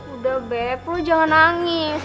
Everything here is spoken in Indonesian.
udah bep lo jangan nangis